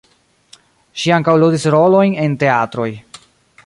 Ŝi ankaŭ ludis rolojn en teatroj.